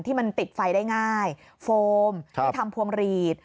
ที่มันติดไฟได้ง่ายโฟมที่ทำพวงหลีด